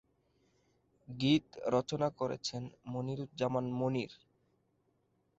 গীত রচনা করেছেন মনিরুজ্জামান মনির।